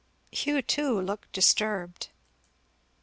Hugh too looked disturbed.